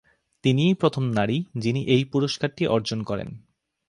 তিনিই প্রথম নারী যিনি এই পুরস্কারটি অর্জন করেন।